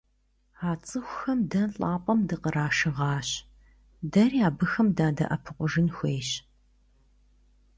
А цӀыхухэм дэ лӀапӀэм дыкърашыгъащ, дэри абыхэм дадэӀэпыкъужын хуейщ.